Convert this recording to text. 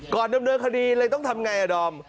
ก่อนเรื่องคดีเลยต้องทำไงอดอม